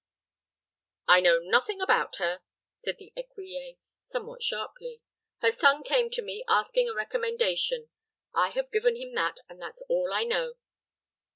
"I know nothing about her," said the écuyer, somewhat sharply. "Her son came to me, asking a recommendation. I have given him that, and that's all I know."